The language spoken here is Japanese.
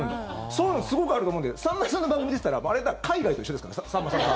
そういうのすごくあると思うんだけどさんまさんの番組出てたらあれ、海外と一緒ですから。